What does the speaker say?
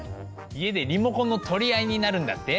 家でリモコンの取り合いになるんだって？